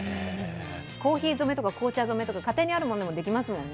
コーヒー染めか紅茶染めとか、家庭にあるものでできますもんね。